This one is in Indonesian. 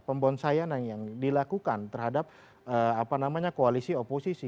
pembonsayanan yang dilakukan terhadap koalisi oposisi